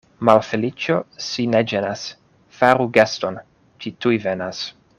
Malfeliĉo sin ne ĝenas, faru geston — ĝi tuj venas.